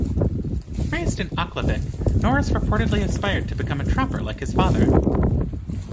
Raised in Aklavik, Norris reportedly aspired to become a trapper like his father.